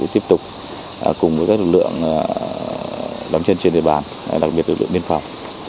tiếp tục cùng với các lực lượng đắm chân trên đề bàn đặc biệt lực lượng biên phòng